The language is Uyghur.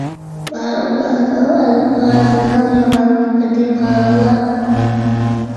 ماۋۇلارنىڭ ئەلپازىنىڭ يامانلىقىنى قاراڭلار.